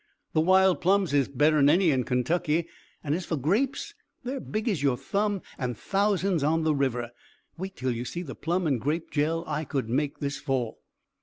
The wild plums is better'n any in Kentucky; and as for grapes, they're big as your thumb, and thousands, on the river. Wait till you see the plum and grape jell I could make this fall!"